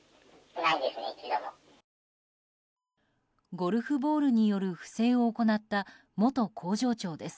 ゴルフボールによる不正を行った元工場長です。